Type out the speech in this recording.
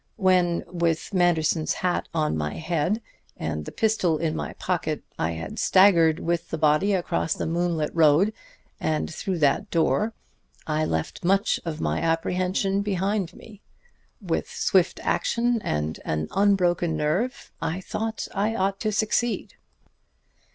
When, with Manderson's hat on my head and the pistol in my pocket, I had staggered with the body across the moonlit road and through that door, I left much of my apprehension behind me. With swift action and an unbroken nerve, I thought I ought to succeed."